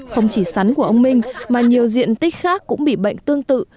không chỉ sắn của ông minh mà nhiều diện tích khác cũng bị bệnh tương tự